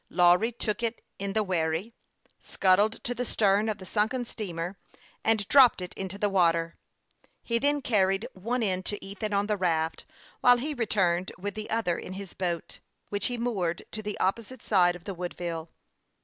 Lawry took it in the wherry, sculled to the stern of the sunken steamer, and dropped it into the water. lie then carried one end to Ethan, on the raft, while he returned with the other in his THE YOUNG PILOT OF LAKE CHAMPLAIN. 109 boat, which he moored to the opposite side of the Woodville.